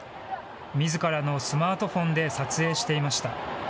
みずからのスマートフォンで撮影していました。